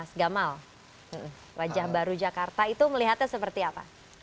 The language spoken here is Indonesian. mas gamal wajah baru jakarta itu melihatnya seperti apa